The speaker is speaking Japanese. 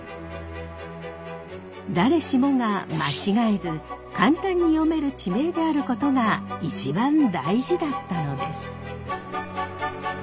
誰しもが間違えず簡単に読める地名であることが一番大事だったのです。